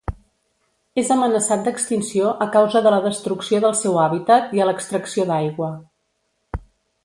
És amenaçat d'extinció a causa de la destrucció del seu hàbitat i a l'extracció d'aigua.